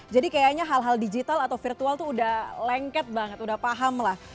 jadi kayaknya hal hal digital atau virtual tuh udah lengket banget udah paham lah